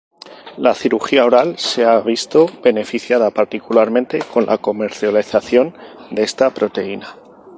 La cirugía oral se ha visto beneficiada particularmente con la comercialización de esta proteína.